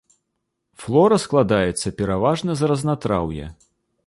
Флора складаецца пераважна з разнатраўя.